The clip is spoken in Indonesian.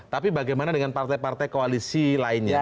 tapi bagaimana dengan partai partai koalisi lainnya